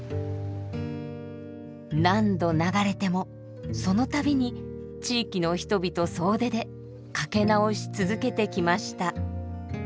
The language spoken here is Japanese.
何度流れてもその度に地域の人々総出でかけ直し続けてきました。